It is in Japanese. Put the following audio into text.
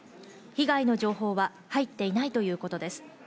被害の情報は入っていないということです。